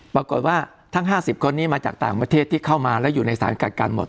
ปรากฏว่าทั้ง๕๐คนนี้มาจากต่างประเทศที่เข้ามาแล้วอยู่ในสารกักกันหมด